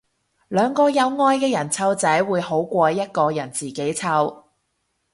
兩個有愛嘅人湊仔會好過一個人自己湊